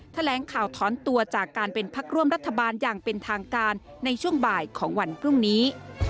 แถลงข่าวถอนตัวจากการเป็นพักร่วมรัฐบาลอย่างเป็นทางการในช่วงบ่ายของวันพรุ่งนี้